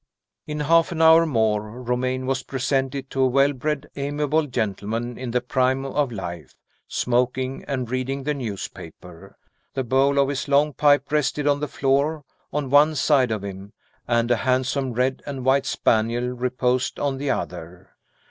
In half an hour more, Romayne was presented to a well bred, amiable gentleman in the prime of life, smoking, and reading the newspaper. The bowl of his long pipe rested on the floor, on one side of him, and a handsome red and white spaniel reposed on the other.